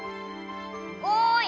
おい！